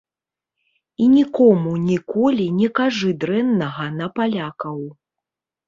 І нікому ніколі не кажы дрэннага на палякаў.